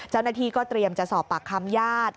เจ้าหน้าที่ก็เตรียมจะสอบปากคำญาติ